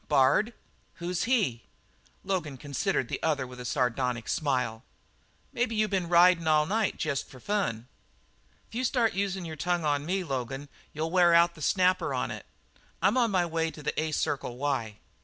"Bard? Who's he?" Logan considered the other with a sardonic smile. "Maybe you been ridin' all night jest for fun?" "If you start usin' your tongue on me, Logan you'll wear out the snapper on it. I'm on my way to the A Circle Y."